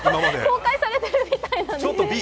公開されているみたいなんですよ。